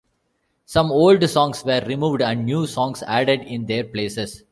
Some old songs were removed and new songs added in their places.